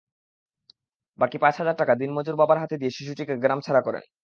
বাকি পাঁচ হাজার টাকা দিনমজুর বাবার হাতে দিয়ে শিশুটিকে গ্রামছাড়া করেন।